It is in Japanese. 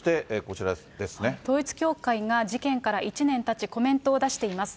統一教会が事件から１年たち、コメントを出しています。